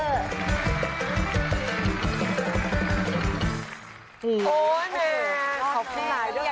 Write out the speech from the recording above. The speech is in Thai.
โอ๊ยน้ำขอบใจด้วยค่ะ